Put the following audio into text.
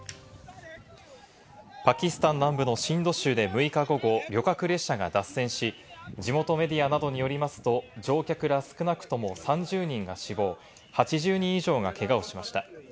パキスタン南部のシンド州で６日午後、旅客列車が脱線し、地元メディアなどによりますと、乗客ら少なくとも３０人が死亡、８０人以上がけがをしました。